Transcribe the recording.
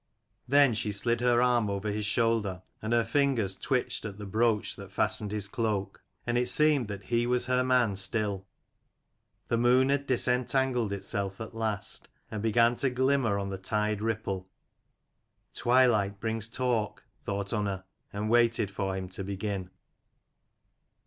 Then she slid her arm over his shoulder, and her fingers twitched at the brooch that fastened his cloak ; and it seemed that he was her man still. The moon had disentangled itself at last, and began to glimmer on the tide ripple. " Twilight brings talk," thought Unna, and waited for him to begin.